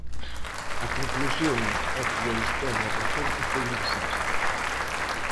A conclusión é que a historia recente foi un desastre.